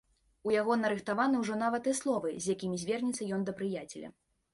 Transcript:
У яго нарыхтаваны ўжо нават і словы, з якімі звернецца ён да прыяцеля.